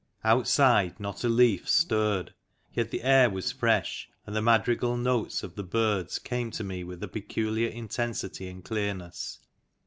Outside not a leaf stirred ; yet the air was fresh, and the madrigal notes of the birds came to me with a peculiar intensity and clearness.